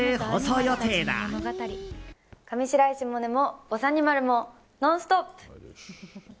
内で上白石萌音も「ぼさにまる」も「ノンストップ！」。